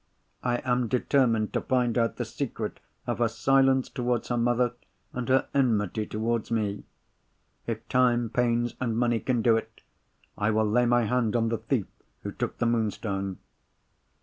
I am determined to find out the secret of her silence towards her mother, and her enmity towards me. If time, pains, and money can do it, I will lay my hand on the thief who took the Moonstone!"